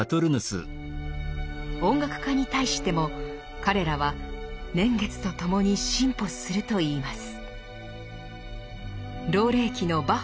音楽家に対しても彼らは「年月とともに進歩する」と言います。